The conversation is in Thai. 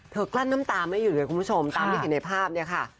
กลั้นน้ำตาไม่อยู่เลยคุณผู้ชมตามที่เห็นในภาพเนี่ยค่ะ